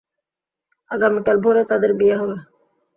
আগামীকাল ভোরে তাদের বিয়ে হবে।